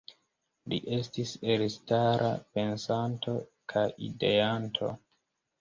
Li estis elstara pensanto kaj ideanto.